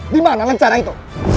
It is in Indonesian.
di mana lancar itu